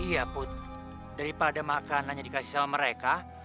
iya put daripada makanannya dikasih sama mereka